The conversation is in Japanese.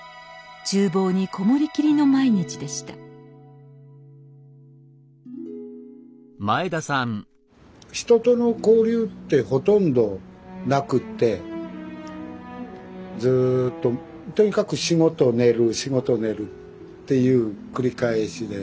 厨房に籠もりきりの毎日でした人との交流ってほとんどなくってずっととにかく仕事寝る仕事寝るっていう繰り返しで。